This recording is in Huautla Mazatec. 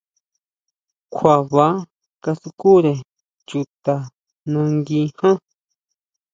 Kjua baa kasukure chuta nangui ján.